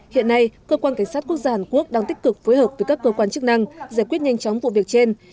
hiện nay cơ quan cảnh sát quốc gia hàn quốc đang tích cực phối hợp với các cơ quan chức năng giải quyết nhanh chóng vụ việc trên